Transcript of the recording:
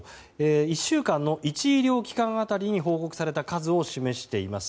１週間の１医療機関当たりに報告された数を示しています。